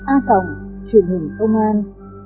a cồng truyện hình công an